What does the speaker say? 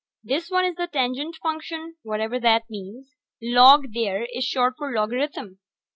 This one is the Tangent Function, whatever that means. Log, there, is short for logarithm.